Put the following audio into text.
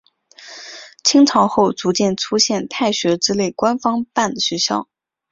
清朝后逐渐出现太学之类官方办的学校。